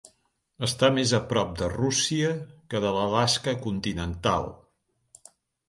Està més a prop de Rússia que de l'Alaska continental.